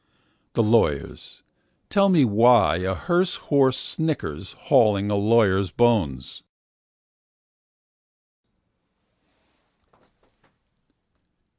The lawyers—tell me why a hearse horse snickers hauling a lawyer's bones.